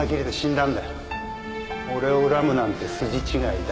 俺を恨むなんて筋違いだ